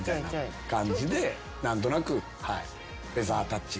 何となく。